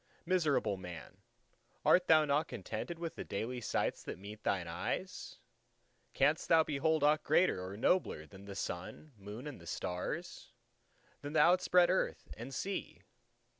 —Miserable man! art thou not contented with the daily sights that meet thine eyes? canst thou behold aught greater or nobler than the Sun, Moon, and Stars; than the outspread Earth and Sea?